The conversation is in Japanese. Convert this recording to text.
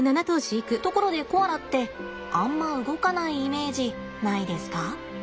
ところでコアラってあんま動かないイメージないですか？